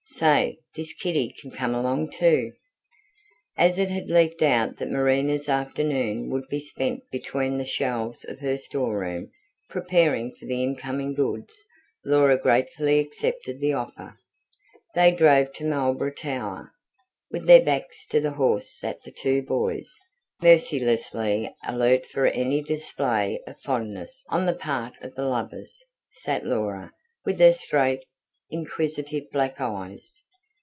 Say, this kiddy can come along too." As it had leaked out that Marina's afternoon would be spent between the shelves of her storeroom, preparing for the incoming goods, Laura gratefully accepted the offer. They drove to Marlborough Tower. With their backs to the horse sat the two boys, mercilessly alert for any display of fondness on the part of the lovers; sat Laura, with her straight, inquisitive black eyes.